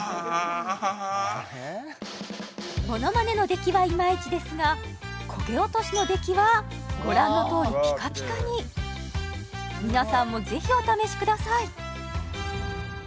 モノマネの出来はイマイチですが焦げ落としの出来はご覧のとおりピカピカに皆さんもぜひお試しください